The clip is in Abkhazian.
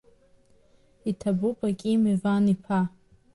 Иҭабуп, Аким Иван-иԥа!